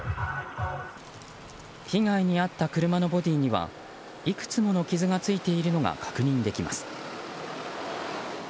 被害に遭った車のボディーにはいくつもの傷がついているのが確認できます。